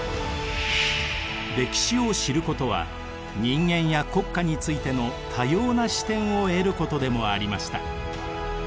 歴史を知ることは人間や国家についての多様な視点を得ることでもありました。